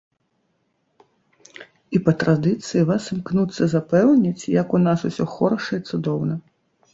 І па традыцыі вас імкнуцца запэўніць, як у нас усё хораша і цудоўна.